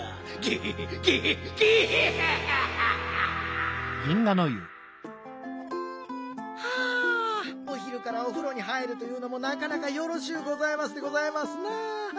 ゲヘヘゲヘゲヘヘヘヘ！はあおひるからおふろに入るというのもなかなかよろしゅうございますでございますな。